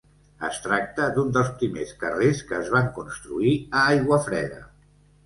Es tracta d'un dels primers carrers que es van construir a Aiguafreda.